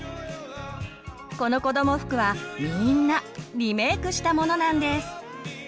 このこども服はみんなリメークしたものなんです。